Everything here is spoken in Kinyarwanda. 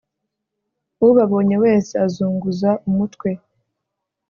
ubabonye wese azunguza umutwe